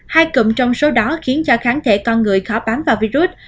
hai cụm trong số đó khiến cho kháng thể con người khó bám vào virus